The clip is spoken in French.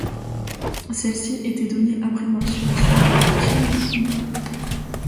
Celle-ci était donnée, après morsure, sur une tartine de pain beurré.